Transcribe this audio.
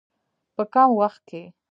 په کم وخت کې.